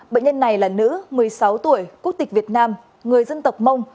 bệnh nhân này là nữ một mươi sáu tuổi quốc tịch việt nam người dân tộc mông